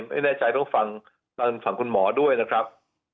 ไม่แน่ใจต้องฟังฟังคุณหมอด้วยนะครับอ๋อ